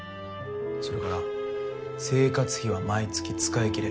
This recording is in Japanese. それから生活費は毎月使いきれ。